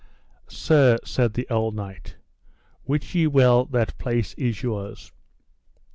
Sir, said the old knight, wit ye well that place is yours.